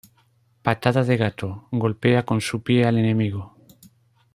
Patada de gato: Golpea con su pie al enemigo.